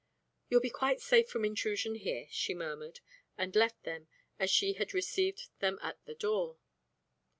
"You'll be quite safe from intrusion here," she murmured, and left them as she had received them at the door.